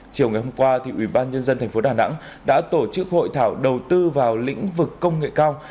chiều ngày hôm qua ủy ban nhân dân thành phố đà nẵng đã tổ chức hội thảo đầu tư vào lĩnh vực công nghệ cao